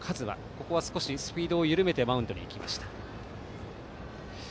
ここは少しスピードを緩めてマウンドに行きました。